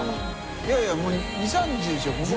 いやいやもう２３日でしょ